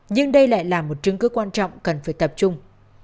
nhưng đây lại là một chứng cứ quan trọng cần phải tập trung